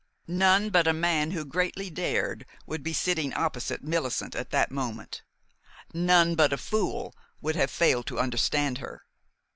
None but a man who greatly dared would be sitting opposite Millicent at that moment. None but a fool would have failed to understand her.